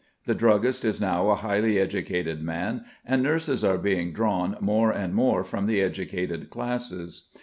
The druggist is now a highly educated man, and nurses are being drawn more and more from the educated classes.